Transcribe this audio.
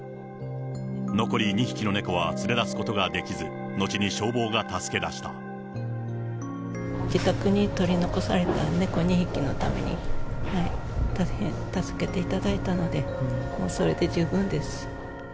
残り２匹の猫は連れ出すことができず、自宅に取り残された猫２匹のために、助けていただいたので、もうそれで十分です。